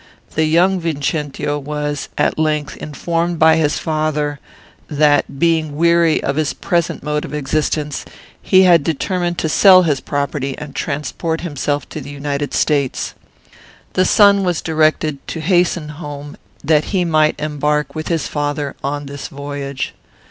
The young Vincentio was, at length, informed by his father, that, being weary of his present mode of existence, he had determined to sell his property and transport himself to the United States. The son was directed to hasten home, that he might embark, with his father, on this voyage.